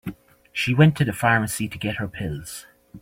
She went to the pharmacy to get her pills.